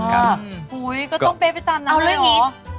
โอ้โหก็ต้องเป๊ะไปตามนั้นเลยเหรอ